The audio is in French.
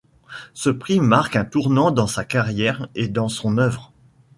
Ce prix marque un tournant dans sa carrière et dans son œuvre.